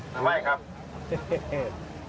ทำไมครับ